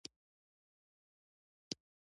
د مالیې سیستم شفاف وي.